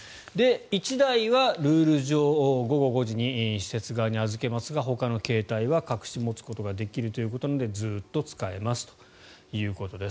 １台はルール上、午後５時に施設側に預けますがほかの携帯は隠し持つことができるということなのでずっと使えますということです。